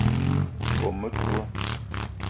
Kome metoua